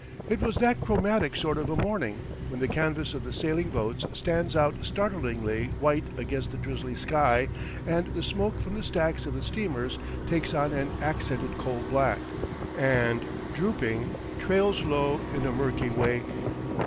It was that chromatic sort of a morning when the canvas of the sailing boats stands out startlingly white against the drizzly sky and the smoke from the stacks of the steamers takes on an accented coal black, and, drooping, trails low in a murky wake.